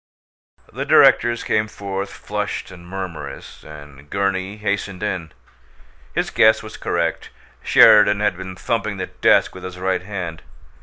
The directors came forth, flushed and murmurous, and Gurney hastened in. His guess was correct: Sheridan had been thumping the desk with his right hand.